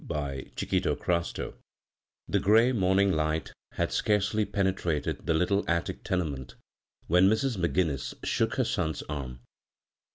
b, Google T CHAPTER IV ,HE gray monuog light had scarcely penetrated the little attic tenement when Mrs. McGinnis shook her son's arm.